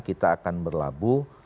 kita akan berlabuh